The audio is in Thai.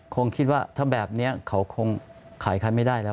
คงคิดว่าถ้าแบบนี้เขาคงขายใครไม่ได้แล้ว